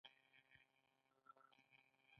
زراعت د افغان تاریخ په کتابونو کې ذکر شوی دي.